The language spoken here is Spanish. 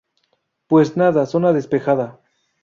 pues nada, zona despejada